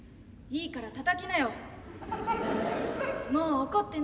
いいからたたきなって！